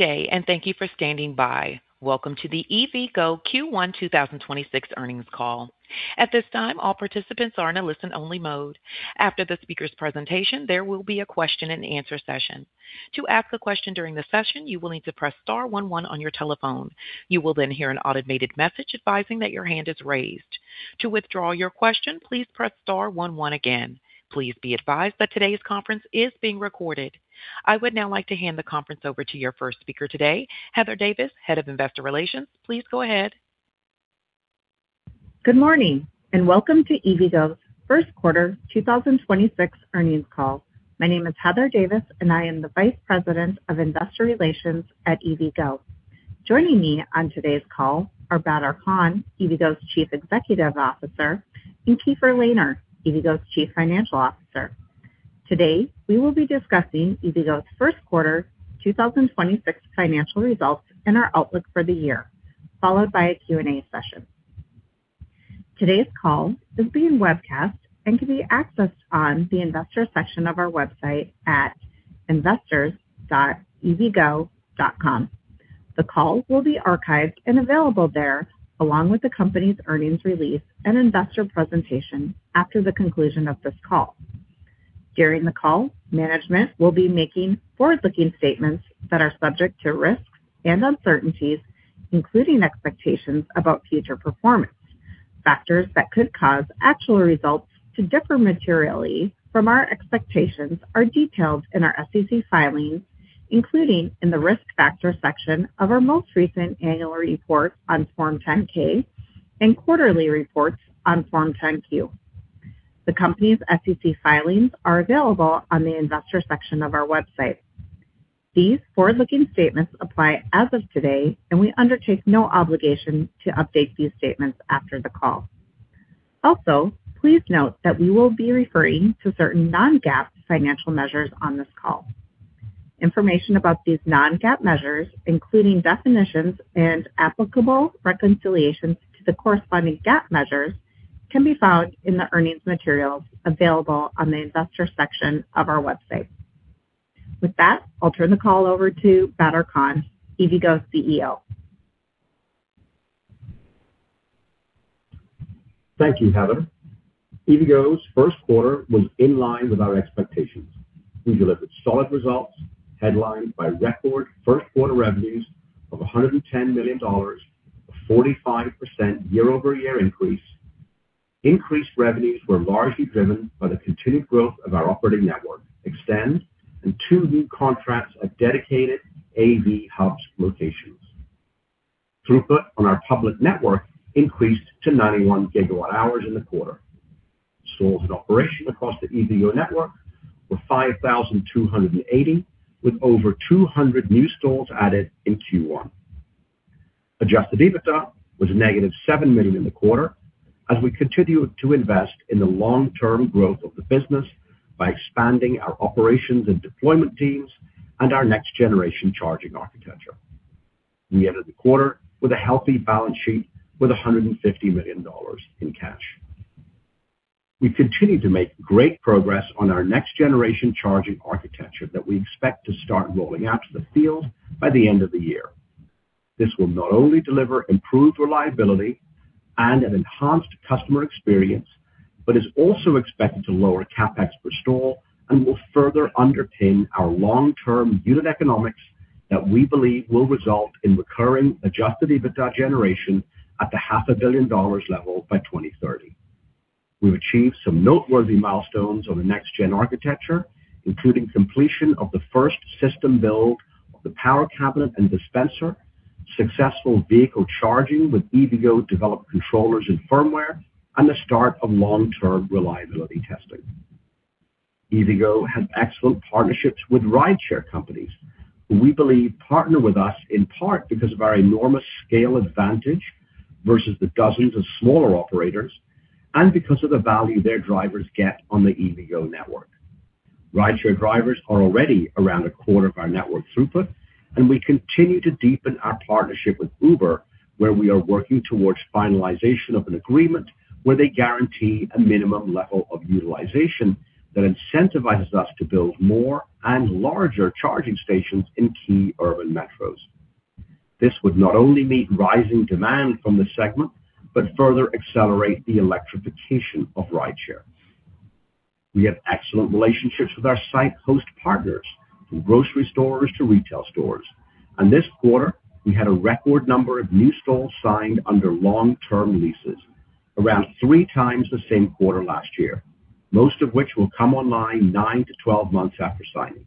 Good day, and thank you for standing by. Welcome to the EVgo Q1 2026 earnings call. At this time, all participants are in a listen-only mode. After the speaker's presentation, there will be a question-and-answer session. To ask a question during the session, you will need to press star one one on your telephone. You will hear an automated message advising that your hand is raised. To withdraw your question, please press star one one again. Please be advised that today's conference is being recorded. I would now like to hand the conference over to your first speaker today, Heather Davis, Head of Investor Relations. Please go ahead. Good morning, welcome to EVgo's first quarter 2026 earnings call. My name is Heather Davis, and I am the Vice President of Investor Relations at EVgo. Joining me on today's call are Badar Khan, EVgo's Chief Executive Officer, and Keefer Lehner, EVgo's Chief Financial Officer. Today, we will be discussing EVgo's first quarter 2026 financial results and our outlook for the year, followed by a Q&A session. Today's call is being webcast and can be accessed on the investor section of our website at investors.evgo.com. The call will be archived and available there along with the company's earnings release and investor presentation after the conclusion of this call. During the call, management will be making forward-looking statements that are subject to risks and uncertainties, including expectations about future performance. Factors that could cause actual results to differ materially from our expectations are detailed in our SEC filings, including in the Risk Factors section of our most recent annual report on Form 10-K and quarterly reports on Form 10-Q. The company's SEC filings are available on the investor section of our website. These forward-looking statements apply as of today, and we undertake no obligation to update these statements after the call. Also, please note that we will be referring to certain non-GAAP financial measures on this call. Information about these non-GAAP measures, including definitions and applicable reconciliations to the corresponding GAAP measures, can be found in the earnings materials available on the investor section of our website. With that, I'll turn the call over to Badar Khan, EVgo's CEO. Thank you, Heather. EVgo's first quarter was in line with our expectations. We delivered solid results headlined by record first quarter revenues of $110 million, a 45% year-over-year increase. Increased revenues were largely driven by the continued growth of our operating network eXtend and two new contracts of dedicated AV hubs locations. Throughput on our public network increased to 91 GWh in the quarter. Stalls in operation across the EVgo network were 5,280, with over 200 new stalls added in Q1. Adjusted EBITDA was a $-7 million in the quarter as we continue to invest in the long-term growth of the business by expanding our operations and deployment teams and our next generation charging architecture. We ended the quarter with a healthy balance sheet with $150 million in cash. We continue to make great progress on our next generation charging architecture that we expect to start rolling out to the field by the end of the year. This will not only deliver improved reliability and an enhanced customer experience, but is also expected to lower CapEx per stall and will further underpin our long-term unit economics that we believe will result in recurring adjusted EBITDA generation at the $500,000,000 level by 2030. We've achieved some noteworthy milestones on the next gen architecture, including completion of the first system build of the power cabinet and dispenser, successful vehicle charging with EVgo-developed controllers and firmware, and the start of long-term reliability testing. EVgo has excellent partnerships with rideshare companies, who we believe partner with us in part because of our enormous scale advantage versus the dozens of smaller operators and because of the value their drivers get on the EVgo network. Rideshare drivers are already around the quarter of our network super. We continue to deepen our partnership with Uber, where we are working towards finalization of an agreement where they guarantee a minimum level of utilization that incentivizes us to build more and larger charging stations in key urban metros. This would not only meet rising demand from the segment but further accelerate the electrification of rideshare. We have excellent relationships with our site host partners, from grocery stores to retail stores. This quarter, we had a record number of new stalls signed under long-term leases, around 3x the same quarter last year, most of which will come online nine to 12 months after signing.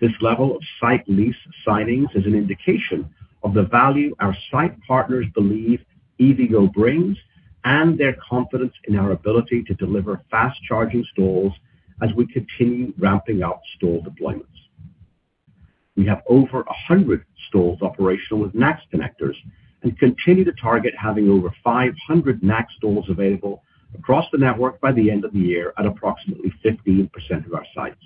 This level of site lease signings is an indication of the value our site partners believe EVgo brings and their confidence in our ability to deliver fast-charging stalls as we continue ramping up stall deployments. We have over 100 stalls operational with NACS connectors and continue to target having over 500 NACS stalls available across the network by the end of the year at approximately 15% of our sites.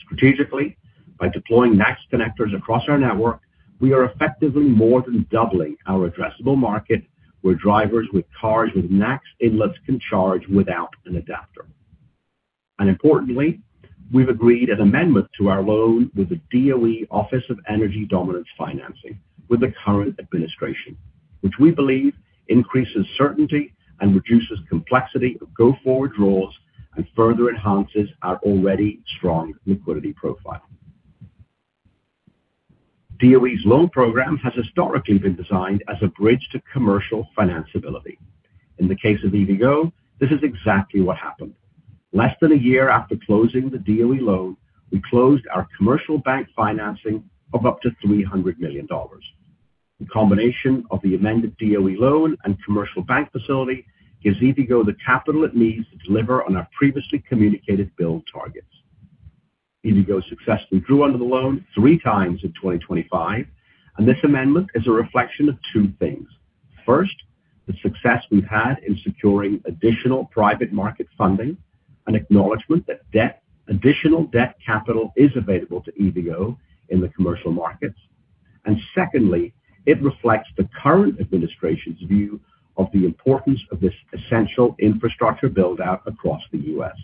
Strategically, by deploying NACS connectors across our network, we are effectively more than doubling our addressable market where drivers with cars with NACS inlets can charge without an adapter. Importantly, we've agreed an amendment to our loan with the DOE Office of Energy Dominance Financing with the current administration, which we believe increases certainty and reduces complexity of go-forward draws and further enhances our already strong liquidity profile. DOE's loan program has historically been designed as a bridge to commercial financability. In the case of EVgo, this is exactly what happened. Less than a year after closing the DOE loan, we closed our commercial bank financing of up to $300 million. The combination of the amended DOE loan and commercial bank facility gives EVgo the capital it needs to deliver on our previously communicated build targets. EVgo successfully drew under the loan 3x in 2025. This amendment is a reflection of two things. First, the success we've had in securing additional private market funding, an acknowledgment that additional debt capital is available to EVgo in the commercial markets. Secondly, it reflects the current administration's view of the importance of this essential infrastructure build-out across the U.S.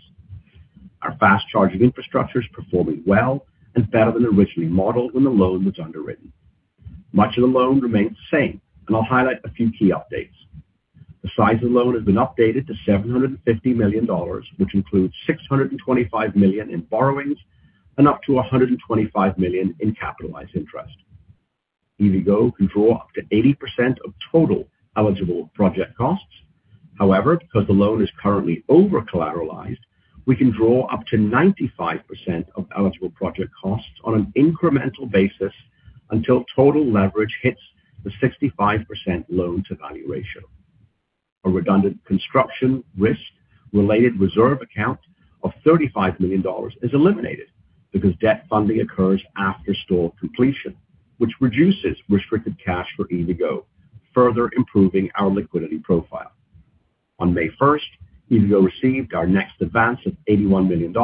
Our fast charging infrastructure is performing well and better than originally modeled when the loan was underwritten. Much of the loan remains the same, and I'll highlight a few key updates. The size of the loan has been updated to $750 million, which includes $625 million in borrowings and up to $125 million in capitalized interest. EVgo can draw up to 80% of total eligible project costs. However, because the loan is currently over-collateralized, we can draw up to 95% of eligible project costs on an incremental basis until total leverage hits the 65% loan-to-value ratio. A redundant construction risk-related reserve account of $35 million is eliminated because debt funding occurs after store completion, which reduces restricted cash for EVgo, further improving our liquidity profile. On May 1, EVgo received our next advance of $81 million,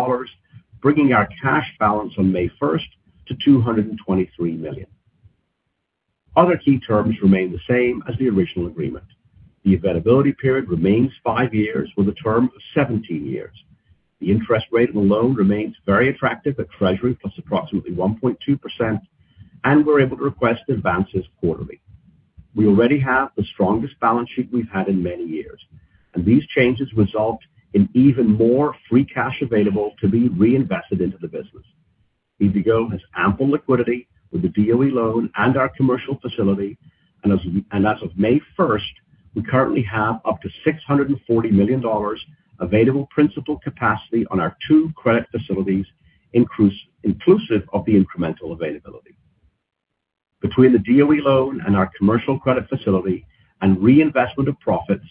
bringing our cash balance on May 1st to $223 million. Other key terms remain the same as the original agreement. The availability period remains five years, with a term of 17 years. The interest rate of the loan remains very attractive at Treasury plus approximately 1.2%, and we're able to request advances quarterly. We already have the strongest balance sheet we've had in many years, and these changes result in even more free cash available to be reinvested into the business. EVgo has ample liquidity with the DOE loan and our commercial facility, and as of May 1st, we currently have up to $640 million available principal capacity on our two credit facilities, inclusive of the incremental availability. Between the DOE loan and our commercial credit facility and reinvestment of profits,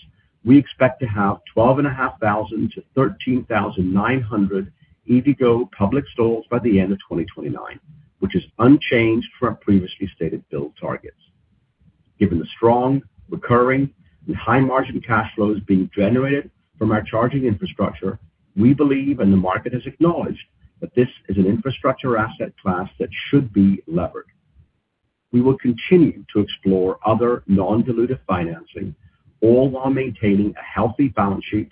we expect to have 12,500-13,900 EVgo public stalls by the end of 2029, which is unchanged from our previously stated build targets. Given the strong recurring and high-margin cash flows being generated from our charging infrastructure, we believe, and the market has acknowledged, that this is an infrastructure asset class that should be levered. We will continue to explore other non-dilutive financing, all while maintaining a healthy balance sheet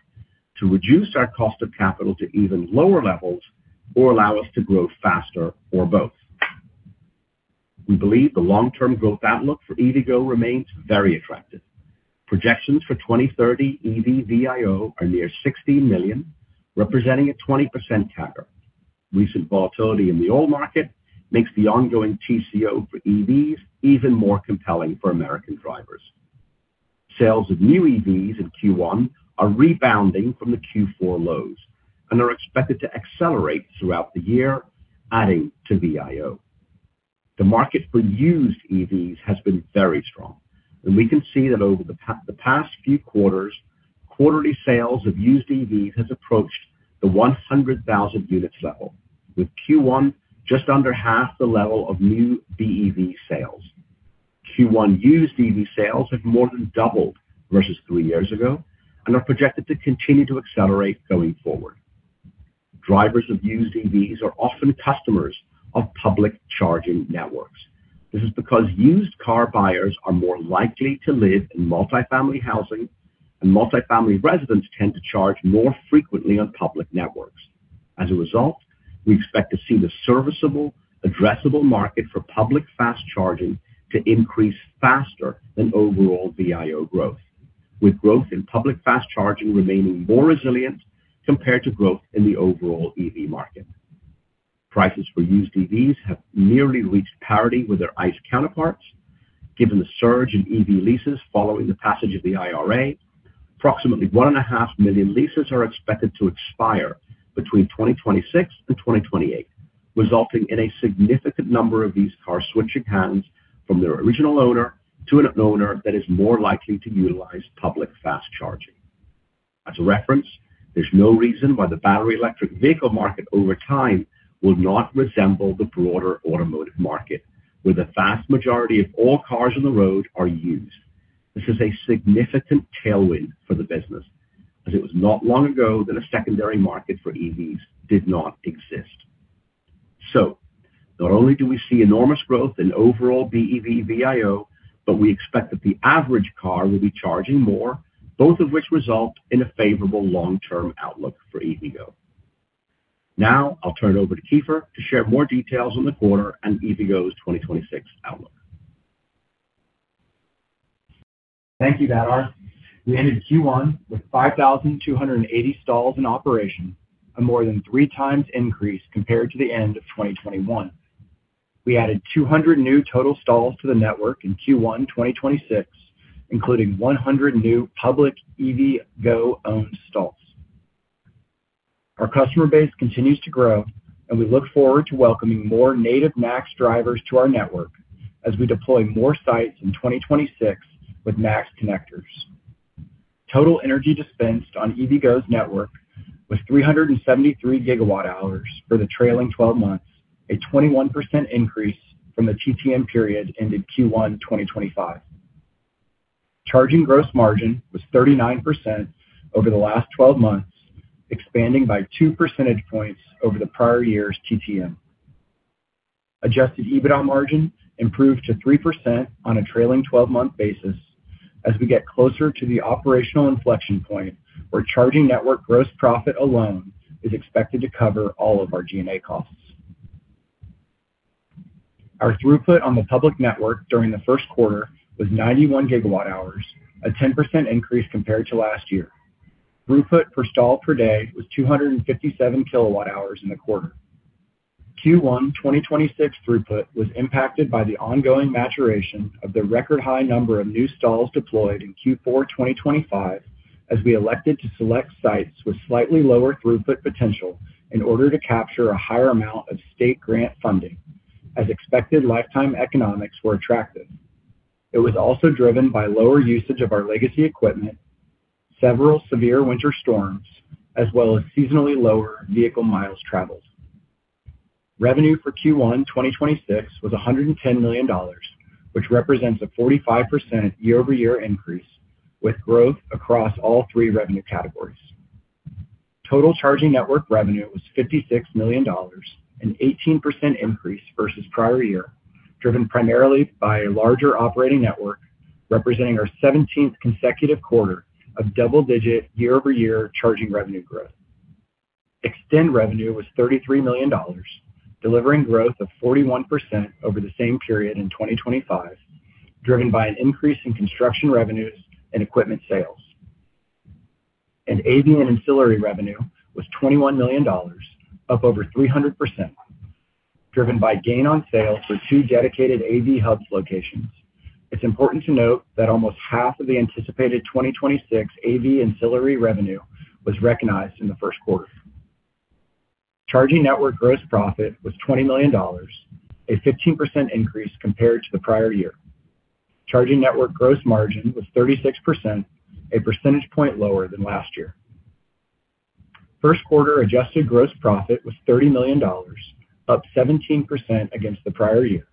to reduce our cost of capital to even lower levels or allow us to grow faster or both. We believe the long-term growth outlook for EVgo remains very attractive. Projections for 2030 EV VIO are near 16 million, representing a 20% CAGR. Recent volatility in the oil market makes the ongoing TCO for EVs even more compelling for American drivers. Sales of new EVs in Q1 are rebounding from the Q4 lows and are expected to accelerate throughout the year, adding to VIO. The market for used EVs has been very strong, and we can see that over the past few quarters, quarterly sales of used EVs has approached the 100,000 units level, with Q1 just under half the level of new BEV sales. Q1 used EV sales have more than doubled versus three years ago and are projected to continue to accelerate going forward. Drivers of used EVs are often customers of public charging networks. This is because used car buyers are more likely to live in multifamily housing, and multifamily residents tend to charge more frequently on public networks. As a result, we expect to see the serviceable addressable market for public fast charging to increase faster than overall VIO growth, with growth in public fast charging remaining more resilient compared to growth in the overall EV market. Prices for used EVs have nearly reached parity with their ICE counterparts. Given the surge in EV leases following the passage of the IRA, approximately 1.5 million leases are expected to expire between 2026 and 2028, resulting in a significant number of these cars switching hands from their original owner to an owner that is more likely to utilize public fast charging. As a reference, there's no reason why the battery electric vehicle market over time will not resemble the broader automotive market, where the vast majority of all cars on the road are used. This is a significant tailwind for the business, as it was not long ago that a secondary market for EVs did not exist. Not only do we see enormous growth in overall BEV VIO, but we expect that the average car will be charging more, both of which result in a favorable long-term outlook for EVgo. Now I'll turn it over to Keefer to share more details on the quarter and EVgo's 2026 outlook. Thank you, Badar. We ended Q1 with 5,280 stalls in operation, a more than 3x increase compared to the end of 2021. We added 200 new total stalls to the network in Q1 2026, including 100 new public EVgo-owned stalls. Our customer base continues to grow, and we look forward to welcoming more native NACS drivers to our network as we deploy more sites in 2026 with NACS connectors. Total energy dispensed on EVgo's network was 373 GWh for the trailing 12 months, a 21% increase from the TTM period ended Q1 2025. Charging gross margin was 39% over the last 12 months, expanding by 2 percentage points over the prior-year's TTM. Adjusted EBITDA margin improved to 3% on a trailing 12 month basis as we get closer to the operational inflection point where charging network gross profit alone is expected to cover all of our G&A costs. Our throughput on the public network during the first quarter was 91 GWh, a 10% increase compared to last year. Throughput per stall per day was 257 KWh in the quarter. Q1 2026 throughput was impacted by the ongoing maturation of the record high number of new stalls deployed in Q4 2025, as we elected to select sites with slightly lower throughput potential in order to capture a higher amount of state grant funding, as expected lifetime economics were attractive. It was also driven by lower usage of our legacy equipment, several severe winter storms, as well as seasonally lower vehicle miles traveled. Revenue for Q1 2026 was $110 million, which represents a 45% year-over-year increase, with growth across all three revenue categories. Total charging network revenue was $56 million, an 18% increase versus prior-year, driven primarily by a larger operating network, representing our 17th consecutive quarter of double-digit year-over-year charging revenue growth. Extend revenue was $33 million, delivering growth of 41% over the same period in 2025, driven by an increase in construction revenues and equipment sales. AV and ancillary revenue was $21 million, up over 300%, driven by gain on sale for two dedicated AV hubs locations. It's important to note that almost half of the anticipated 2026 AV ancillary revenue was recognized in the first quarter. Charging network gross profit was $20 million, a 15% increase compared to the prior-year. Charging network gross margin was 36%, a percentage point lower than last year. First quarter adjusted gross profit was $30 million, up 17% against the prior year.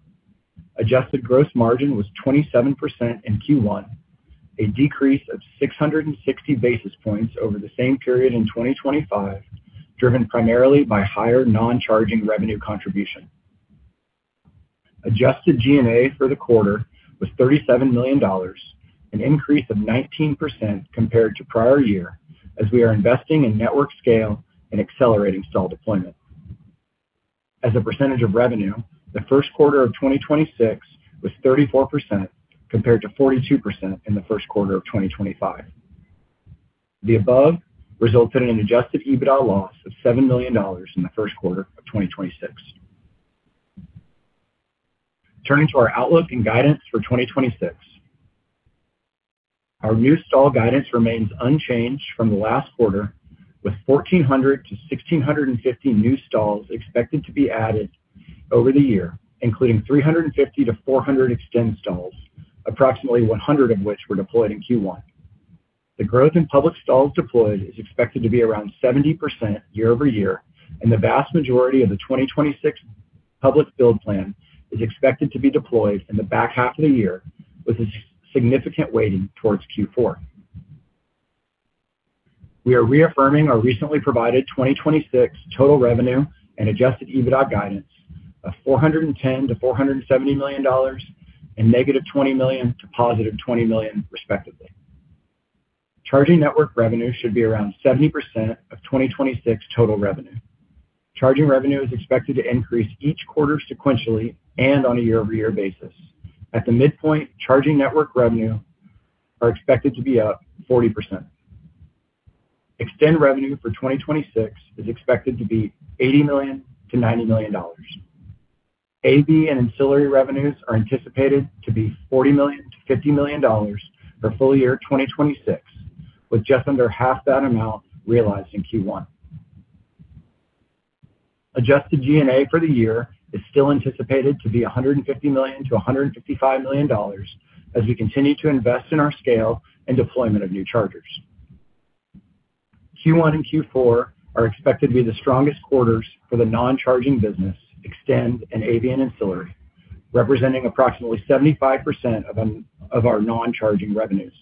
Adjusted gross margin was 27% in Q1, a decrease of 660 basis points over the same period in 2025, driven primarily by higher non-charging revenue contribution. Adjusted G&A for the quarter was $37 million, an increase of 19% compared to prior year, as we are investing in network scale and accelerating stall deployment. As a percentage of revenue, the first quarter of 2026 was 34%, compared to 42% in the first quarter of 2025. The above results in an adjusted EBITDA loss of $7 million in the first quarter of 2026. Turning to our outlook and guidance for 2026. Our new stall guidance remains unchanged from last quarter, with 1,400-1,650 new stalls expected to be added over the year, including 350-400 eXtend stalls, approximately 100 of which were deployed in Q1. The growth in public stalls deployed is expected to be around 70% year-over-year, and the vast majority of the 2026 public build plan is expected to be deployed in the back half of the year, with a significant weighting towards Q4. We are reaffirming our recently provided 2026 total revenue and adjusted EBITDA guidance of $410 million-$470 million and $-20 million to $+20 million, respectively. Charging network revenue should be around 70% of 2026 total revenue. Charging revenue is expected to increase each quarter sequentially and on a year-over-year basis. At the midpoint, charging network revenue are expected to be up 40%. Extend revenue for 2026 is expected to be $80 million-$90 million. AV and ancillary revenues are anticipated to be $40 million-$50 million for full-year 2026, with just under half that amount realized in Q1. Adjusted G&A for the year is still anticipated to be $150 million-$155 million as we continue to invest in our scale and deployment of new chargers. Q1 and Q4 are expected to be the strongest quarters for the non-charging business, Extend and AV and ancillary, representing approximately 75% of our non-charging revenues.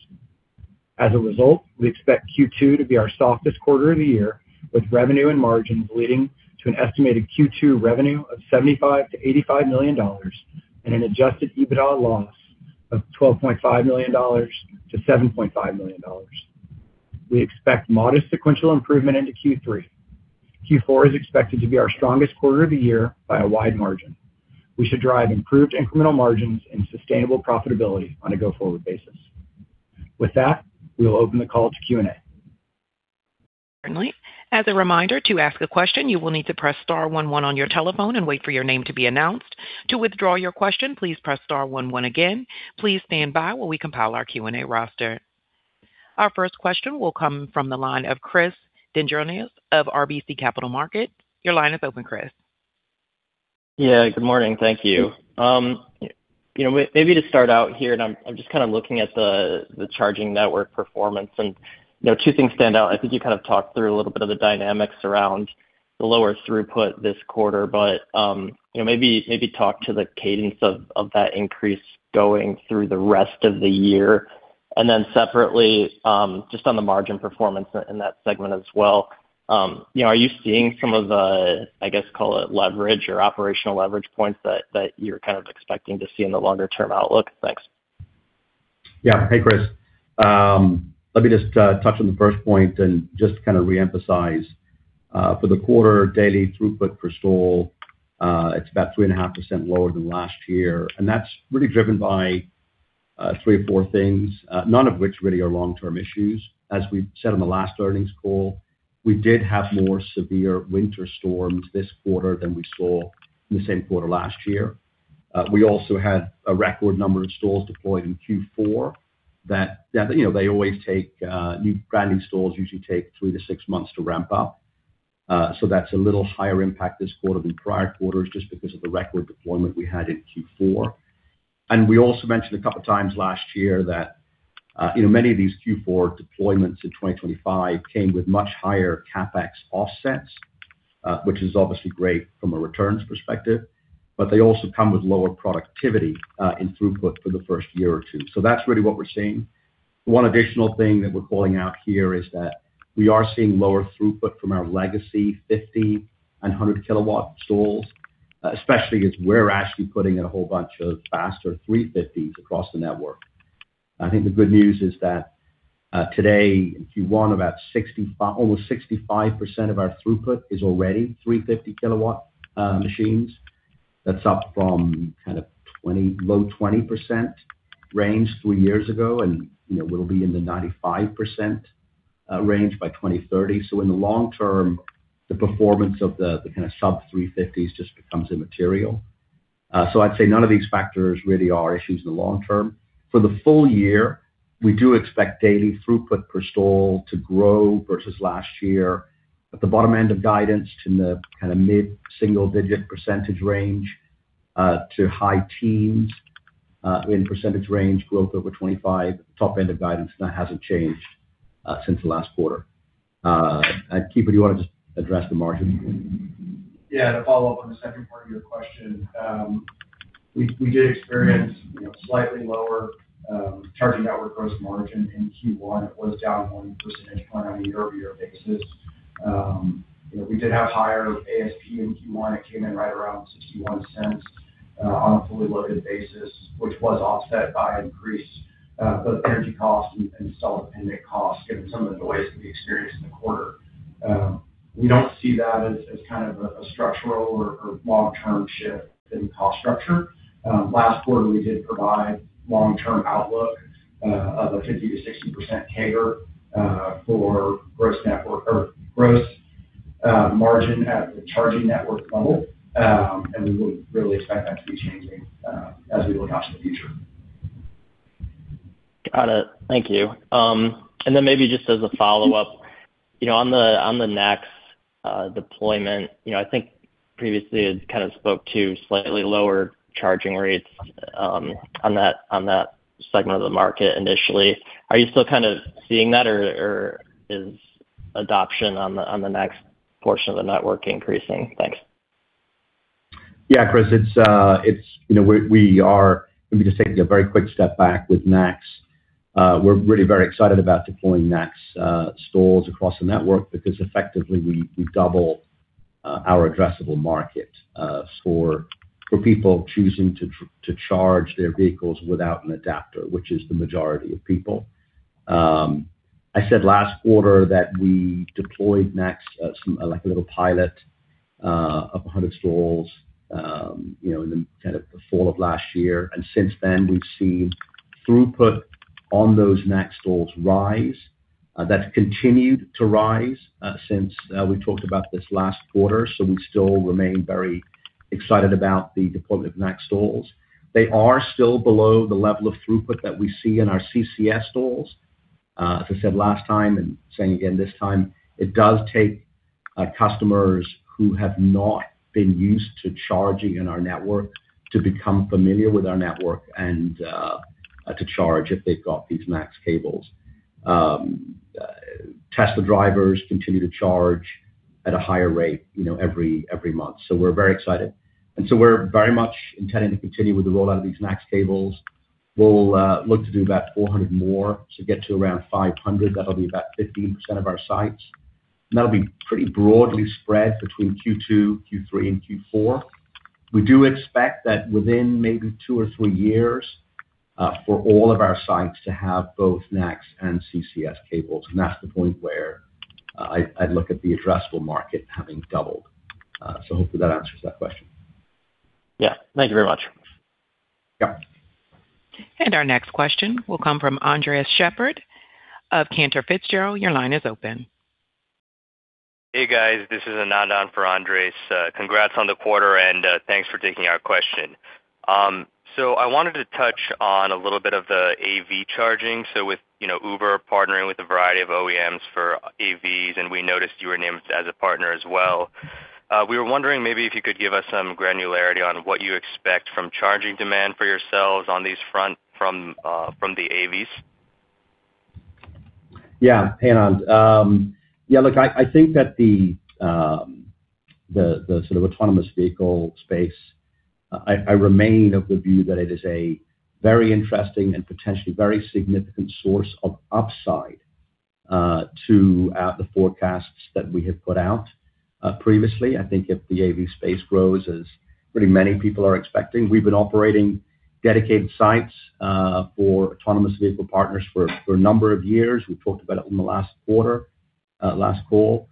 As a result, we expect Q2 to be our softest quarter of the year, with revenue and margins leading to an estimated Q2 revenue of $75 million-$85 million and an adjusted EBITDA loss of $12.5 million-$7.5 million. We expect modest sequential improvement into Q3. Q4 is expected to be our strongest quarter of the year by a wide margin. We should drive improved incremental margins and sustainable profitability on a go-forward basis. With that, we will open the call to Q&A. Certainly. As a reminder, to ask a question, you will need to press star one one on your telephone and wait for your name to be announced. To withdraw your question, please press star one one again. Please stand by while we compile our Q&A roster. Our first question will come from the line of Chris Dendrinos of RBC Capital Markets. Your line is open, Chris. Good morning. Thank you. You know, maybe to start out here, I'm just kind of looking at the charging network performance, and, you know, two things stand out. I think you kind of talked through a little bit of the dynamics around the lower throughput this quarter, you know, maybe talk to the cadence of that increase going through the rest of the year. Then separately, just on the margin performance in that segment as well, you know, are you seeing some of the, I guess, call it leverage or operational leverage points that you're kind of expecting to see in the longer term outlook? Thanks. Hey, Chris. Let me just touch on the first point and just to kind of reemphasize. For the quarter, daily throughput per stall, it's about 3.5% lower than last year, and that's really driven by three, four things, none of which really are long-term issues. As we said on the last earnings call, we did have more severe winter storms this quarter than we saw in the same quarter last year. We also had a record number of stalls deployed in Q4 that, you know, they always take, new branding stalls usually take 3-6 months to ramp up. So that's a little higher impact this quarter than prior quarters just because of the record deployment we had in Q4. We also mentioned a couple times last year that, you know, many of these Q4 deployments in 2025 came with much higher CapEx offsets, which is obviously great from a returns perspective, but they also come with lower productivity in throughput for the first year or two. That's really what we're seeing. One additional thing that we're calling out here is that we are seeing lower throughput from our legacy 50 and 100 KW stalls, especially as we're actually putting in a whole bunch of faster 350s across the network. I think the good news is that today, if you want about almost 65% of our throughput is already 350 KW machines. That's up from kind of low 20% range three years ago, you know, we'll be in the 95% range by 2030. In the long term, the performance of the kinda sub 350s just becomes immaterial. I'd say none of these factors really are issues in the long term. For the full-year, we do expect daily throughput per stall to grow versus last year at the bottom end of guidance to the kinda mid-single-digit percentage range to high teens in percentage range growth over 25, top end of guidance. That hasn't changed since the last quarter. Keefer, do you wanna just address the margin? Yeah, to follow up on the second part of your question, we did experience, you know, slightly lower charging network gross margin in Q1. It was down 1 percentage point on a year-over-year basis. You know, we did have higher ASP in Q1. It came in right around $0.61 on a fully loaded basis, which was offset by increased both energy costs and SaaS and NIC costs given some of the noise we experienced in the quarter. We don't see that as kind of a structural or long-term shift in cost structure. Last quarter, we did provide long-term outlook of a 50%-60% CAGR for gross network or gross margin at the charging network level. We wouldn't really expect that to be changing, as we look out to the future. Got it. Thank you. Maybe just as a follow-up, you know, on the NACS deployment, you know, I think previously you kind of spoke to slightly lower charging rates on that segment of the market initially. Are you still kind of seeing that or is adoption on the NACS portion of the network increasing? Thanks. Chris, it's, you know, we, let me just take a very quick step back with NACS. We're really very excited about deploying NACS stalls across the network because effectively we double our addressable market for people choosing to charge their vehicles without an adapter, which is the majority of people. I said last quarter that we deployed NACS some like a little pilot of 100 stalls, you know, in the kind of the fall of last year. Since then, we've seen throughput on those NACS stalls rise. That's continued to rise since we talked about this last quarter, we still remain very excited about the deployment of NACS stalls. They are still below the level of throughput that we see in our CCS stalls. As I said last time and saying again this time, it does take customers who have not been used to charging in our network to become familiar with our network and to charge if they've got these NACS cables. Tesla drivers continue to charge at a higher rate, you know, every month. We're very excited. We're very much intending to continue with the rollout of these NACS cables. We'll look to do about 400 more to get to around 500. That'll be about 15% of our sites. That'll be pretty broadly spread between Q2, Q3, and Q4. We do expect that within maybe two or three years for all of our sites to have both NACS and CCS cables, and that's the point where I-I look at the addressable market having doubled. Hopefully that answers that question. Yeah. Thank you very much. Yeah. Our next question will come from Andres Sheppard of Cantor Fitzgerald. Your line is open. Hey, guys. This is Anand on for Andres. Congrats on the quarter, and thanks for taking our question. I wanted to touch on a little bit of the AV charging. With, you know, Uber partnering with a variety of OEMs for AVs, we noticed you were named as a partner as well. We were wondering maybe if you could give us some granularity on what you expect from charging demand for yourselves on these front from the AVs. Yeah. Hey, Anand. Yeah, look, I think that the sort of autonomous vehicle space, I remain of the view that it is a very interesting and potentially very significant source of upside to the forecasts that we had put out previously. I think if the AV space grows as pretty many people are expecting. We've been operating dedicated sites for autonomous vehicle partners for a number of years. We talked about it in the last quarter, last call.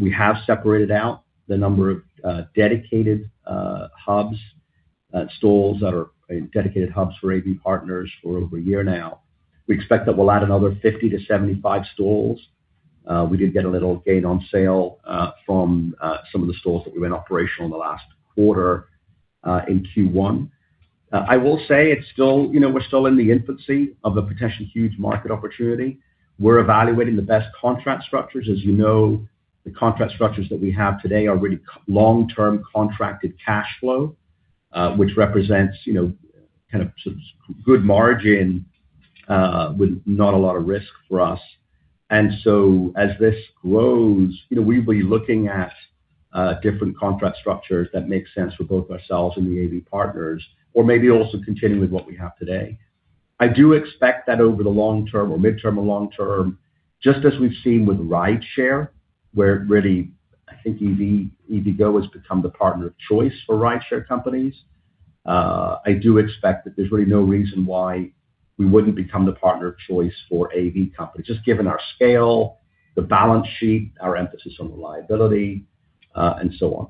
We have separated out the number of dedicated hubs, stalls that are dedicated hubs for AV partners for over a year now. We expect that we'll add another 50-75 stalls. We did get a little gain on sale from some of the stalls that we went operational in the last quarter in Q1. I will say it's still You know, we're still in the infancy of a potentially huge market opportunity. We're evaluating the best contract structures. As you know, the contract structures that we have today are really long-term contracted cash flow, which represents, you know, kind of good margin with not a lot of risk for us. As this grows, you know, we'll be looking at different contract structures that make sense for both ourselves and the AV partners or maybe also continue with what we have today. I do expect that over the long term or midterm or long term, just as we've seen with rideshare, where really I think EVgo has become the partner of choice for rideshare companies. I do expect that there's really no reason why we wouldn't become the partner of choice for AV companies, just given our scale, the balance sheet, our emphasis on reliability, and so on.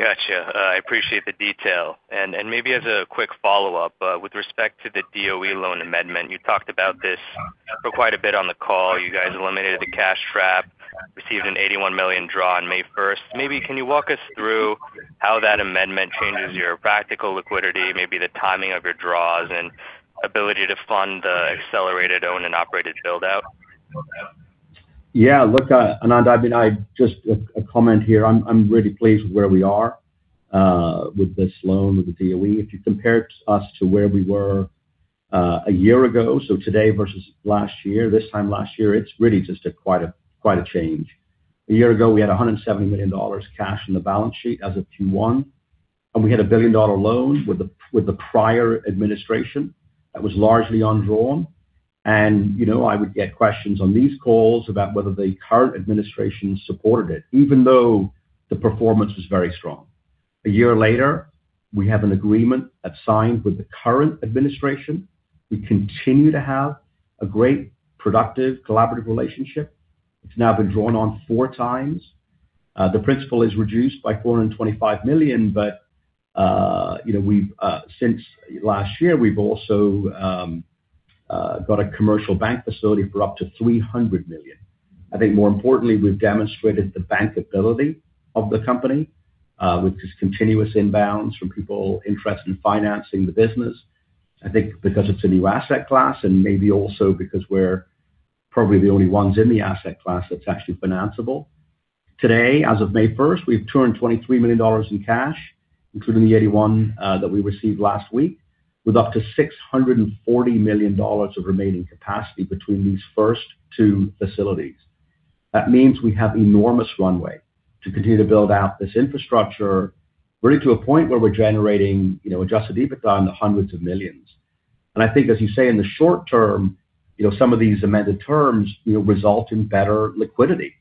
Gotcha. I appreciate the detail. Maybe as a quick follow-up with respect to the DOE loan amendment, you talked about this for quite a bit on the call. You guys eliminated the cash trap, received an $81 million draw on May first. Maybe can you walk us through how that amendment changes your practical liquidity, maybe the timing of your draws and ability to fund the accelerated owned and operated build-out? Yeah. Look, Anand, I mean, just a comment here. I'm really pleased with where we are with this loan with the DOE. If you compared us to where we were a year ago, so today versus last year, this time last year, it's really just quite a change. A year ago, we had $170 million cash in the balance sheet as of Q1, and we had a billion-dollar loan with the prior administration that was largely undrawn. You know, I would get questions on these calls about whether the current administration supported it, even though the performance was very strong. A year later, we have an agreement that's signed with the current administration. We continue to have a great, productive, collaborative relationship. It's now been drawn on 4 times. The principal is reduced by $425 million, but, you know, we've since last year, we've also got a commercial bank facility for up to $300 million. I think more importantly, we've demonstrated the bankability of the company with this continuous inbounds from people interested in financing the business. I think because it's a new asset class and maybe also because we're probably the only ones in the asset class that's actually financeable. Today, as of May 1st, we've turned $23 million in cash, including the $81 million that we received last week, with up to $640 million of remaining capacity between these first two facilities. That means we have enormous runway to continue to build out this infrastructure really to a point where we're generating, you know, adjusted EBITDA in the hundreds of millions. I think as you say, in the short term, you know, some of these amended terms, you know, result in better liquidity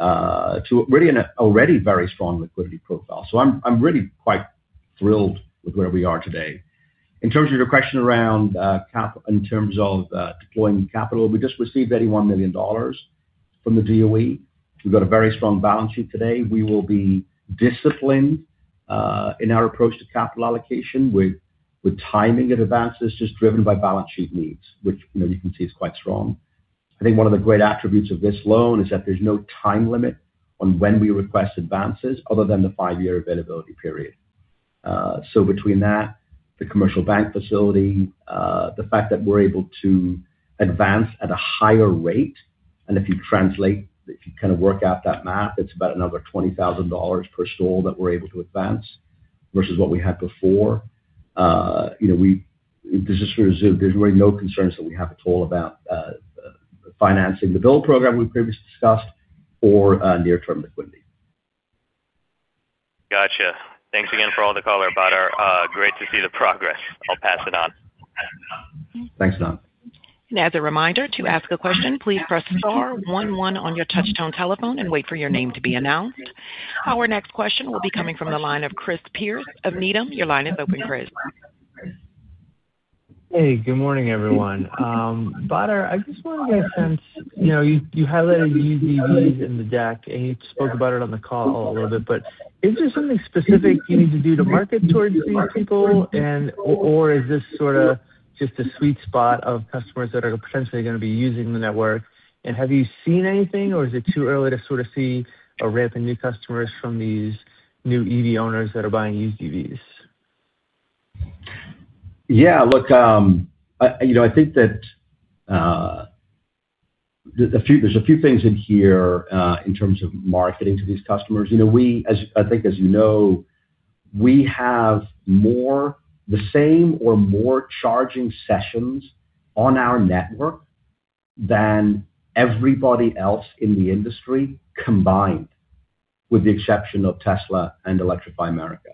to really an already very strong liquidity profile. I'm really quite thrilled with where we are today. In terms of your question around deploying capital, we just received $81 million from the DOE. We've got a very strong balance sheet today. We will be disciplined in our approach to capital allocation with timing of advances just driven by balance sheet needs, which, you know, you can see is quite strong. I think one of the great attributes of this loan is that there's no time limit on when we request advances other than the five year availability period. Between that, the commercial bank facility, the fact that we're able to advance at a higher rate. If you translate, if you kind of work out that math, it's about another $20,000 per stall that we're able to advance versus what we had before. You know, this is sort of, there's really no concerns that we have at all about financing the build program we previously discussed or near-term liquidity. Gotcha. Thanks again for all the color, Badar. Great to see the progress. I'll pass it on. Thanks, Anand. As a reminder, to ask a question, please press star one one on your touch-tone telephone and wait for your name to be announced. Our next question will be coming from the line of Chris Pierce of Needham. Your line is open, Chris. Hey, good morning, everyone. Badar, I just want to get a sense. You know, you highlighted used EVs in the deck, and you spoke about it on the call a little bit. Is there something specific you need to do to market towards these people and/or is this sort of just a sweet spot of customers that are potentially gonna be using the network? Have you seen anything, or is it too early to sort of see a ramp in new customers from these new EV owners that are buying used EVs? Look, you know, I think that there's a few things in here in terms of marketing to these customers. You know, we have the same or more charging sessions on our network than everybody else in the industry combined, with the exception of Tesla and Electrify America.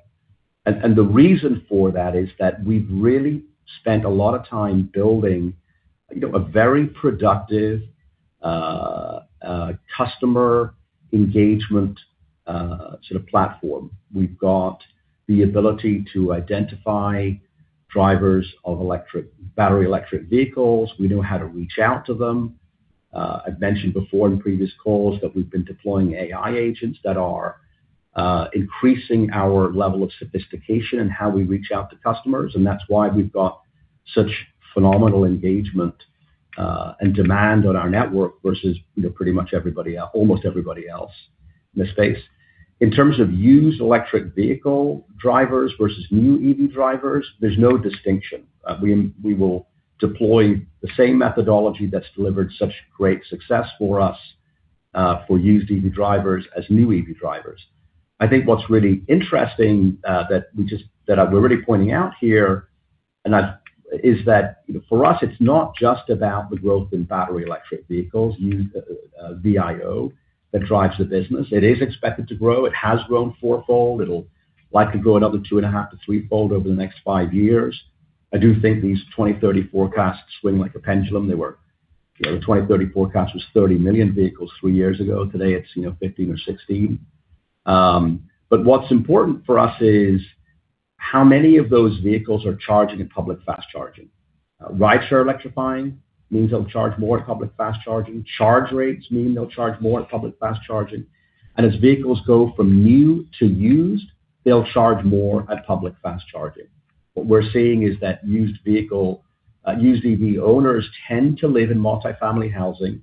The reason for that is that we've really spent a lot of time building, you know, a very productive customer engagement sort of platform. We've got the ability to identify drivers of electric, battery electric vehicles. We know how to reach out to them. I've mentioned before in previous calls that we've been deploying AI agents that are increasing our level of sophistication in how we reach out to customers, and that's why we've got such phenomenal engagement and demand on our network versus, you know, pretty much almost everybody else in the space. In terms of used electric vehicle drivers versus new EV drivers, there's no distinction. We will deploy the same methodology that's delivered such great success for us for used EV drivers as new EV drivers. I think what's really interesting that I'm really pointing out here and I is that, you know, for us it's not just about the growth in battery electric vehicles, used VIO that drives the business. It is expected to grow. It has grown four fold. It'll likely grow another 2.5 to threefold over the next five years. I do think these 2030 forecasts swing like a pendulum. They were, you know, the 2030 forecast was 30 million vehicles three years ago. Today it's, you know, 15 or 16. What's important for us is how many of those vehicles are charging at public fast charging. Rideshare electrifying means they'll charge more at public fast charging. Charge rates mean they'll charge more at public fast charging. As vehicles go from new to used, they'll charge more at public fast charging. What we're seeing is that used vehicle, used EV owners tend to live in multi-family housing.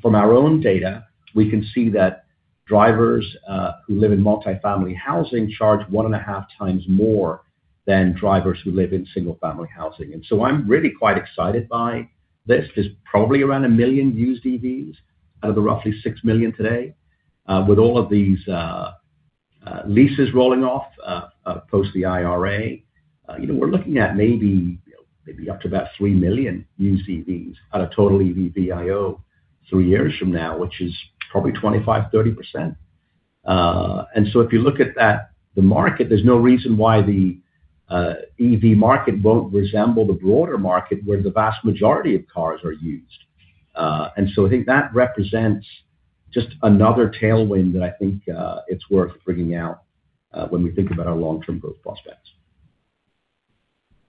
From our own data, we can see that drivers, who live in multi-family housing charge 1.5x more than drivers who live in single-family housing. I'm really quite excited by this. There's probably around 1 million used EVs out of the roughly 6 million today. With all of these leases rolling off post the IRA, you know, we're looking at maybe up to about 3 million used EVs at a total EV VIO three years from now, which is probably 25%-30%. If you look at that, the market, there's no reason why the EV market won't resemble the broader market where the vast majority of cars are used. I think that represents just another tailwind that I think it's worth bringing out when we think about our long-term growth prospects.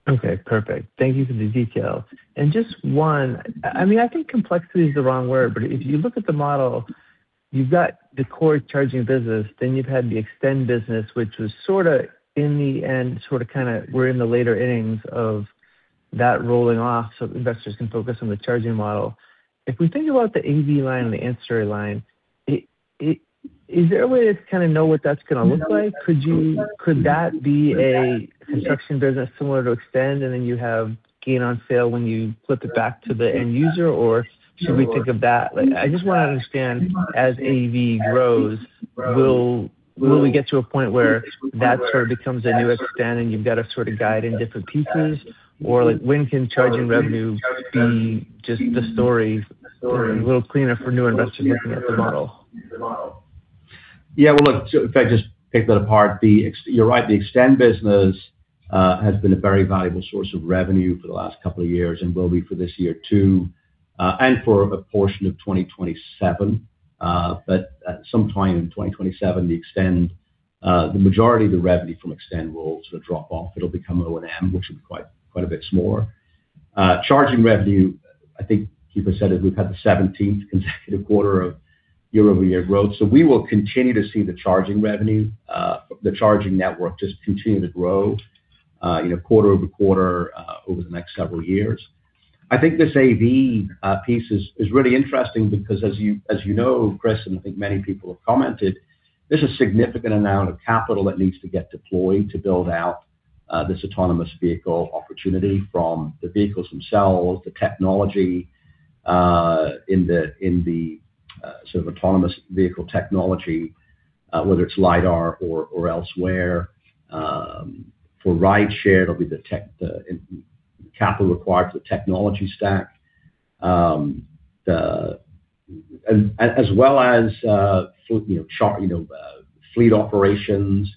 Okay. Perfect. Thank you for the details. Just one, I mean, I think complexity is the wrong word, but if you look at the model, you've got the core charging business, then you've had the eXtend business, which was sort of in the end, sort of, kinda we're in the later innings of that rolling off so investors can focus on the charging model. If we think about the AV line and the ancillary line, is there a way to kind of know what that's gonna look like? Could that be a construction business similar to eXtend and then you have gain on sale when you flip it back to the end user? Like, I just want to understand as AV grows, will we get to a point where that sort of becomes a new eXtend and you've got to sort of guide in different pieces? Like, when can charging revenue be just the story and a little cleaner for new investors looking at the model? Yeah. Well, look, if I just pick that apart, You're right, the eXtend business has been a very valuable source of revenue for the last couple of years and will be for this year too, and for a portion of 2027. At some time in 2027, the eXtend, the majority of the revenue from eXtend will sort of drop off. It'll become O&M, which is quite a bit smaller. Charging revenue, I think Keefer Lehner said it, we've had the 17th consecutive quarter of year-over-year growth. We will continue to see the charging revenue, the charging network just continue to grow, you know, quarter-over-quarter, over the next several years. I think this AV piece is really interesting because as you know, Chris, and I think many people have commented, there's a significant amount of capital that needs to get deployed to build out this autonomous vehicle opportunity from the vehicles themselves, the technology in the sort of autonomous vehicle technology, whether it's lidar or elsewhere. For rideshare, it'll be the capital required for the technology stack. As well as, you know, fleet operations,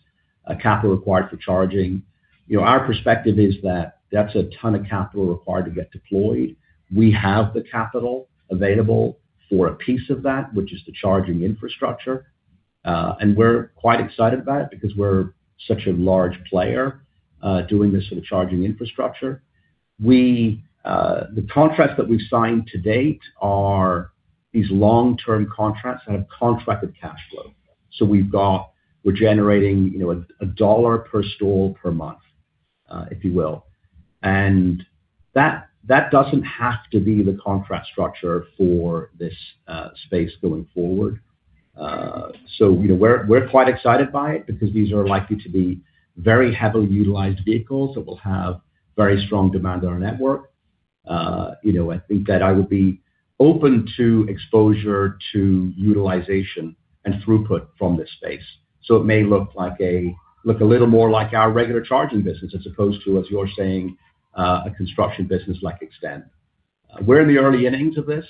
capital required for charging. You know, our perspective is that that's a ton of capital required to get deployed. We have the capital available for a piece of that, which is the charging infrastructure. We're quite excited about it because we're such a large player doing this sort of charging infrastructure. We, the contracts that we've signed to date are these long-term contracts that have contracted cash flow. We're generating, you know, $1 per stall per month, if you will. That doesn't have to be the contract structure for this space going forward. You know, we're quite excited by it because these are likely to be very heavily utilized vehicles that will have very strong demand on our network. You know, I think that I would be open to exposure to utilization and throughput from this space. It may look like a look a little more like our regular charging business as opposed to, as you're saying, a construction business like eXtend. We're in the early innings of this.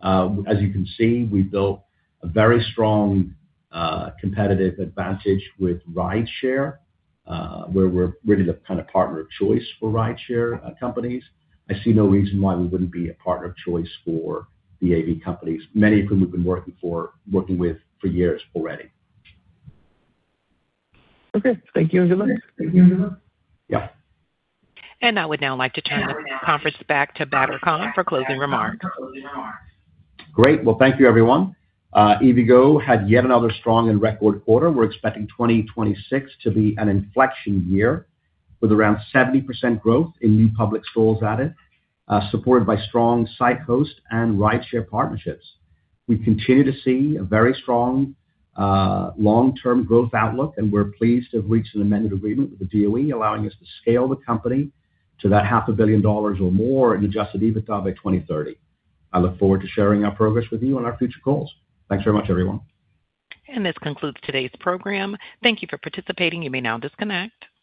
As you can see, we've built a very strong competitive advantage with rideshare, where we're really the kind of partner of choice for rideshare companies. I see no reason why we wouldn't be a partner of choice for the AV companies, many of whom we've been working with for years already. Okay. Thank you, and good luck. Yeah. I would now like to turn the conference back to Badar Khan for closing remarks. Great. Well, thank you everyone. EVgo had yet another strong and record quarter. We're expecting 2026 to be an inflection year with around 70% growth in new public stalls added, supported by strong site host and rideshare partnerships. We continue to see a very strong, long-term growth outlook, and we're pleased to have reached an amended agreement with the DOE allowing us to scale the company to that half a billion dollars or more in Adjusted EBITDA by 2030. I look forward to sharing our progress with you on our future calls. Thanks very much, everyone. And this concludes today's program. Thank you for participating. You may now disconnect.